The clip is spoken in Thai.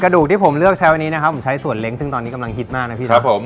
ดูที่ผมเลือกใช้วันนี้นะครับผมใช้ส่วนเล้งซึ่งตอนนี้กำลังฮิตมากนะพี่ครับผม